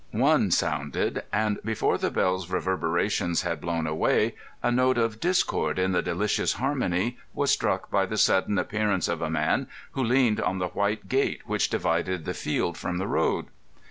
One sounded, and before the bell's reverberations had blown away, a note of discord in the delicious harmony was struck by the sudden appearance of a man, who leaned on the white gate which divided the field from the road.